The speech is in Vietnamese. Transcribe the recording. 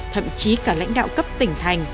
thậm chí cả lãnh đạo cấp tỉnh thành